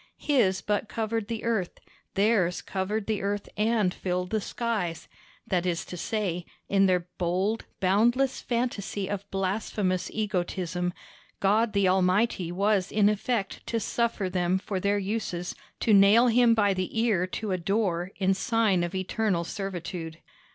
His but covered the earth; theirs covered the earth and filled the skies; that is to say, in their bold, boundless fantasy of blasphemous egotism, God the Almighty was in effect to suffer them for their uses to nail him by the ear to a door in sign of eternal servitude.